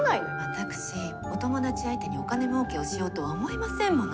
私お友達相手にお金もうけをしようとは思いませんもの。